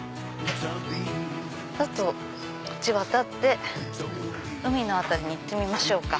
ちょっとこっち渡って海の辺りに行ってみましょうか。